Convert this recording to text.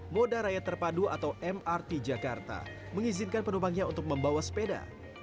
moda raya terpadu atau mrt jakarta mengizinkan penumpangnya untuk membawa sepeda